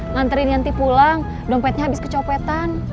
ngantri nianti pulang dompetnya habis kecopetan